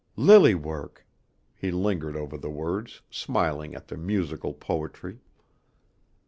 Lily work," he lingered over the words, smiling at their musical poetry.